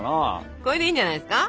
これでいいんじゃないですか。